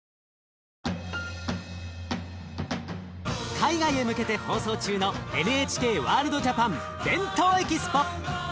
海外へ向けて放送中のＮＨＫワールドＪＡＰＡＮ「ＢＥＮＴＯＥＸＰＯ」！